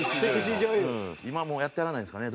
今もうやってはらないですかね？